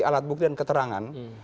alat bukti dan keterangan